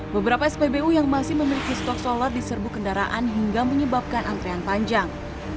beberapa spbu yang masih memiliki stok solar diserbu kendaraan hingga menyebabkan antrean panjang